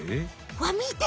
わっ見て！